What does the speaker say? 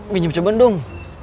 minyam cebeng dong